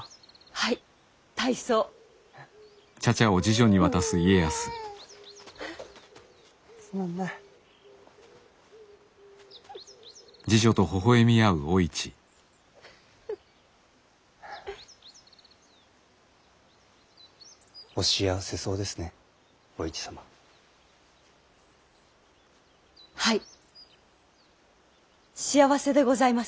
はい幸せでございます。